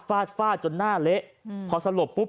ก็ได้พลังเท่าไหร่ครับ